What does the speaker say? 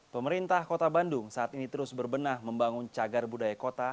pemerintah kota bandung saat ini terus berbenah membangun cagar budaya kota